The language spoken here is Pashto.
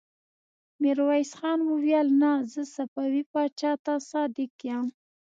ميرويس خان وويل: نه! زه صفوي پاچا ته صادق يم.